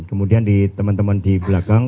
kemudian di teman teman di belakang